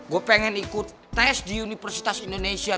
gue pengen ikut tes di universitas indonesia